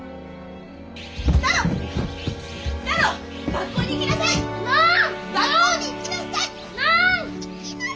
学校に行きなさい！